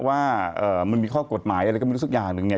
ว่ามันมีข้อกฎหมายอะไรก็ไม่รู้สักอย่างหนึ่งเนี่ย